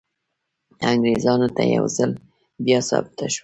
انګریزانو ته یو ځل بیا ثابته شوه.